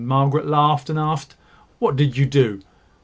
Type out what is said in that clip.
Margaret laughed, and asked: "What did you do?"